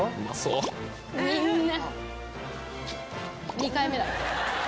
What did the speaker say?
２回目だ。